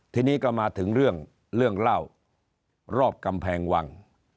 ทีนี้ก็มาถึงเรื่องเรื่องเล่ารอบกำแพงวัง